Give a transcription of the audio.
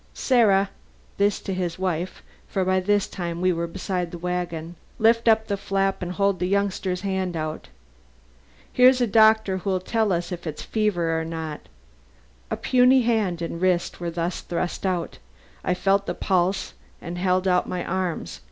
Sarah!' this to his wife, for by this time we were beside the wagon, 'lift up the flap and hold the youngster's hand out. Here's a doctor who will tell us if it's fever or not.' A puny hand and wrist were thrust out. I felt the pulse and then held out my arms.